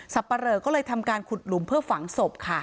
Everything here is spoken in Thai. ปะเหลอก็เลยทำการขุดหลุมเพื่อฝังศพค่ะ